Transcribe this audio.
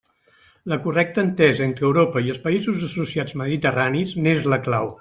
La correcta entesa entre Europa i els països associats mediterranis n'és la clau.